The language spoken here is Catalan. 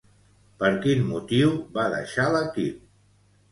Per quin motiu va deixar l'equip?